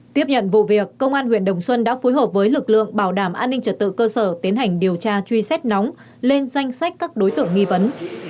tiếp nhận vụ việc công an huyện đồng xuân đã phối hợp với lực lượng bảo đảm an ninh trật tự cơ sở tiến hành điều tra truy xét nóng lên danh sách các đối tượng nghi vấn